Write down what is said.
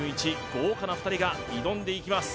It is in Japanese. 豪華な２人が挑んでいきます